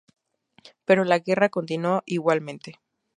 Pero la guerra continuó igualmente.